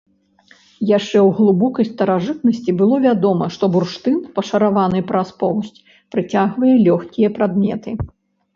Яшчэ ў глыбокай старажытнасці было вядома, што бурштын, пашараваны пра поўсць, прыцягвае лёгкія прадметы.